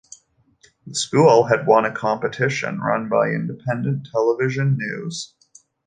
The school had won a competition run by Independent Television News.